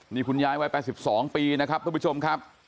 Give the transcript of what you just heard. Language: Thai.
นี่คุณย้ายไว้แปดสิบสองปีนะครับทุกผู้ชมครับ